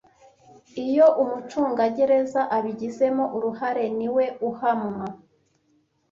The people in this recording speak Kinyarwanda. Iyo umucungagereza abigizemo uruhare niwe uhanywa